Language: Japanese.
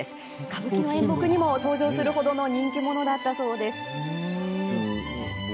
歌舞伎の演目にも登場する程の人気者だったそうです。